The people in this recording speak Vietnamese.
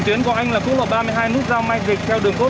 điên là vĩnh phúc đúng không